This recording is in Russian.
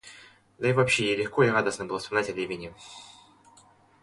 Да и вообще ей легко и радостно было вспоминать о Левине.